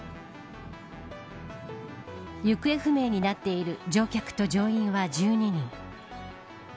行方不明になっている乗客と乗員は１２人。